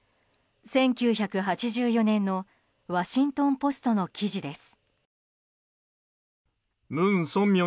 １９８４年のワシントン・ポストの記事です。